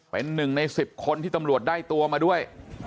เป็นหนึ่งใน๑๐คนที่ตำรวจได้ตัวมาด้วย